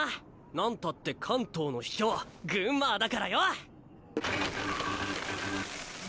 なんたって関東の秘境グンマーだからよ！